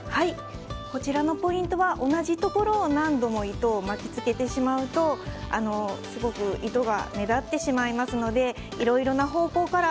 こちらのポイントは同じところに何度も糸を巻き付けてしまうと糸が目立ってしまいますのでいろいろな方向から。